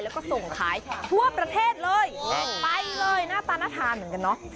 แล้วก็ส่งขายทั่วประเทศเลยไปเลยหน้าตาน่าทานเหมือนกันเนอะ